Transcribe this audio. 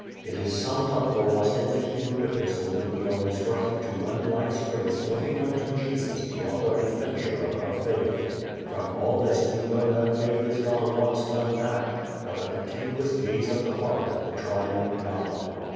It is summed up for us in the Hebrew epistle when we are instructed to run life's race "looking unto Jesus the author and finisher of our faith." From all this we learn that faith is not a once done act, but a continuous gaze of the heart at the Triune God.